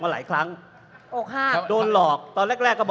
คุณจิลายุเขาบอกว่ามันควรทำงานร่วมกัน